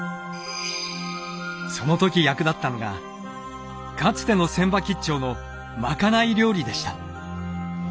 その時役立ったのがかつての船場兆のまかない料理でした。